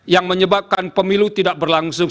yang menyebabkan pemilu tidak berlangsung